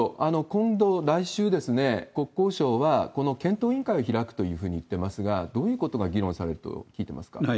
今度、来週、国交省は検討委員会を開くというふうにいってますが、どういうことが議論されると聞いてますか？